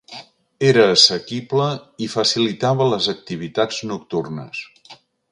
Era assequible i facilitava les activitats nocturnes.